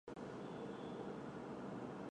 欧特伊人口变化图示